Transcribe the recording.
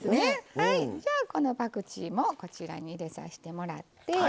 はいじゃあこのパクチーもこちらに入れさせてもらって。